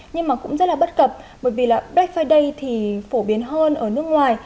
nhưng mà cũng rất là bất cập bởi vì là black friday thì phổ biến hơn ở nước ngoài